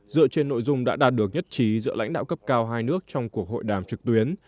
dựa trên nội dung đã đạt được nhất trí giữa lãnh đạo cấp cao hai nước trong cuộc hội đàm trực tuyến